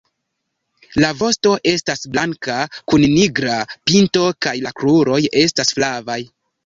La vosto estas blanka kun nigra pinto kaj la kruroj estas flavaj.